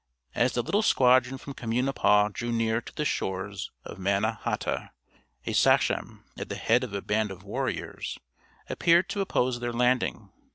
As the little squadron from Communipaw drew near to the shores of Manna hata, a sachem, at the head of a band of warriors, appeared to oppose their landing.